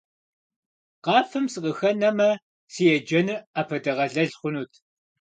Къафэм сыкъыхэнэмэ, си еджэныр Ӏэпэдэгъэлэл хъунут.